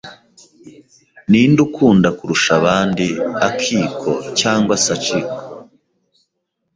Ninde ukunda kurusha abandi, Akiko cyangwa Sachiko?